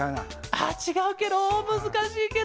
あちがうケロ？むずかしいケロ！